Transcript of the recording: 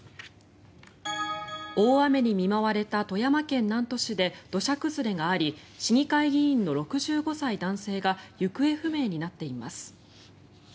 大雨に見舞われた富山県南砺市で土砂崩れがあり市議会議員の６５歳男性が行方不明になっています。